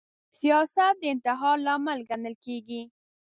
سیاست د انتحار لامل ګڼل کیږي